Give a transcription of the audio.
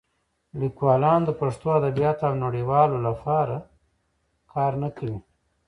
لیکوالان د پښتو ادبیاتو د نړیوالولو لپاره کار نه کوي.